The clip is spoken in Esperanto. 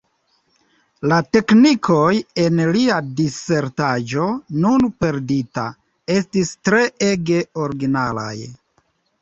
La teknikoj en lia disertaĵo, nun perdita, estis treege originalaj.